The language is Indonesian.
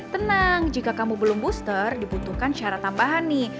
tenang jika kamu belum booster dibutuhkan cara tambahan nih